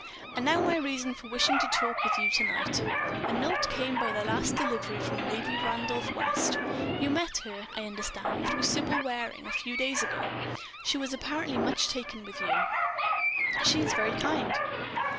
"And now my reason for wishing to talk with you to night.... A note came by the last delivery from Lady Randolph West. You met her, I understand, through Sybil Waring, a few days ago. She was apparently much taken with you." "She is very kind."